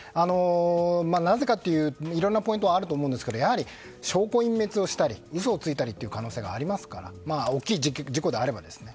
なぜかというと、いろんなポイントがあると思いますがやはり証拠隠滅をしたり嘘をつく可能性がありますから大きい事故であればですね。